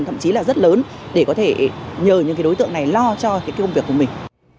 thậm chí là rất lớn để có thể nhờ những đối tượng này lo cho công việc của mình